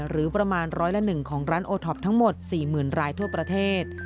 หรือประมาณร้อยละ๑ของร้านโอท็อปทั้งหมด๔๐๐๐รายทั่วประเทศ